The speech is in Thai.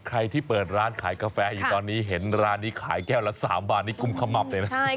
ใครที่เปิดร้านขายกาแฟอยู่ตอนนี้เห็นร้านนี้ขายแก้วละ๓บาทนี่กุ้มขมับเลยนะ